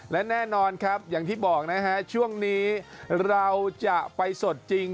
และแน่นอนครับอย่างที่บอกนะฮะช่วงนี้เราจะไปสดจริง